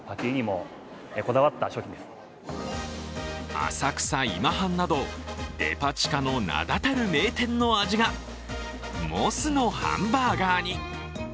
浅草今半などデパ地下の名だたる銘店の味がモスのハンバーガーに。